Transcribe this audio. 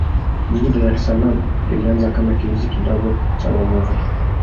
jiji la dar es salaam lilianza kama kijiji kidogo cha wavuvi